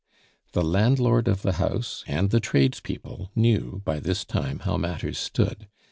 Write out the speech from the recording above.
The landlord of the house and the tradespeople knew by this time how matters stood.